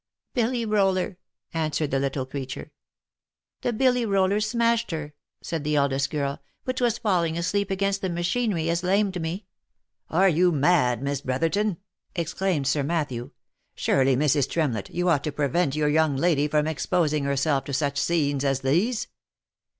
" Billy roller," answered the little creature. " The billy roller smashed her," said the eldest girl, «' but 'twas falling asleep against the machinery as lamed me." " Are you mad, Miss Brotherton !" exclaimed Sir Matthew. " Surely, Mrs. Tremlett, you ought to prevent your young lady from exposing herself to such scenes as these."